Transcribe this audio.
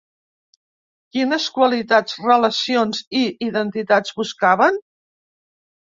Quines qualitats, relacions i identitats buscaven?